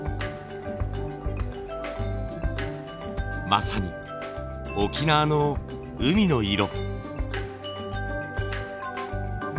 まさに沖縄の海の色。